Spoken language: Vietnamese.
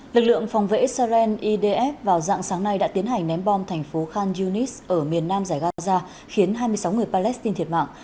lực lượng phòng vệ israel idf vào dạng sáng nay đã tiến hành ném bom thành phố khan yunis ở miền nam giải gaza khiến hai mươi sáu người palestine thiệt mạng